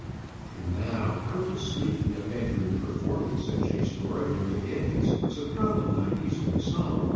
And now how to sleep in a bedroom performing such extra ordinary antics was a problem not easily solved.